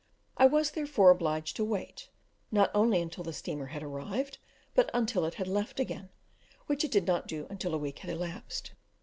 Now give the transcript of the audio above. I was, therefore, obliged to wait, not only until the steamer had arrived, but until it had left again, which it did not do until a week had elapsed.